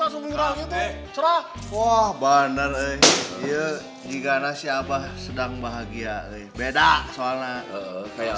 serah wah bandar eh iya digana siapa sedang bahagia beda soalnya